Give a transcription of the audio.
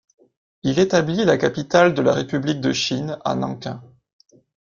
Il établit la capitale de la République de Chine à Nankin.